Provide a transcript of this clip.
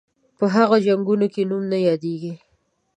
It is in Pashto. په هغو جنګونو کې نوم نه یادیږي.